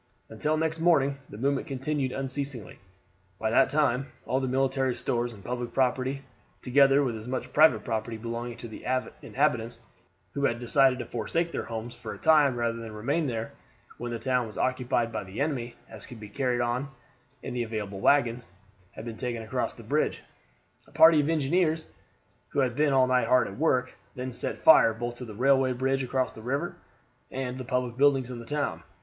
Until next morning the movement continued unceasingly; by that time all the military stores and public property, together with as much private property belonging to inhabitants who had decided to forsake their homes for a time rather than to remain there when the town was occupied by the enemy, as could be carried on in the available wagons, had been taken across the bridge. A party of engineers, who had been all night hard at work, then set fire both to the railway bridge across the river and the public buildings in the town.